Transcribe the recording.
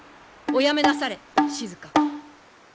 おやめなされ静。